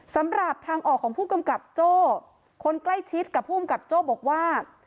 สำหรับทางออกของผู้กำกับโจ้คนใกล้ชิดกับภูมิกับโจ้บอกว่า